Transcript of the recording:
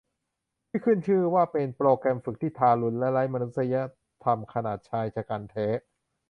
ที่ขึ้นชื่อว่าเป็นโปรแกรมฝึกที่ทารุณและไร้มนุษยธรรมขนาดชายฉกรรจ์แท้